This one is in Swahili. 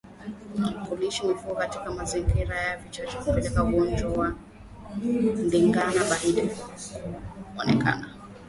Kulishia mifugo katika mazingira yenye vichaka hupelekea ugonjwa wa ndigana baridi kutokea